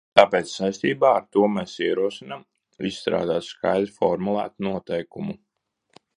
Tāpēc saistībā ar to mēs ierosinām izstrādāt skaidri formulētu noteikumu.